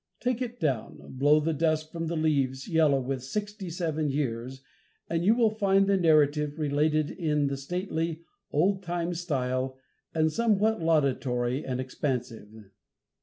Take it down, blow the dust from the leaves yellow with sixty seven years, and you will find the narrative related in the stately, old time style, and somewhat laudatory and expansive.